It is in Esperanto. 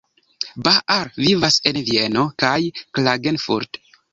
Baar vivas en Vieno kaj Klagenfurt.